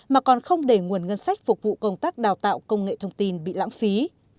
mà còn không để nguồn ngân sách phục vụ công tác đào tạo công nghệ thông tin bị lãng phí